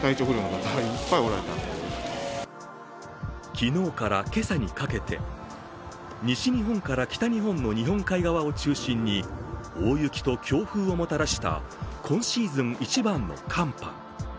昨日から今朝にかけて、西日本から北日本の日本海側を中心に大雪と強風をもたらした今シーズン一番の寒波。